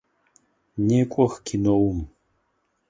Некӏох киноум!